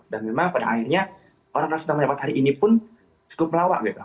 dan memang pada akhirnya orang orang yang sudah menempat hari ini pun cukup melawak gitu